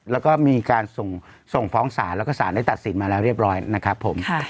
แล้วก็มีการส่งฟ้องศาลแล้วก็สารได้ตัดสินมาแล้วเรียบร้อยนะครับผม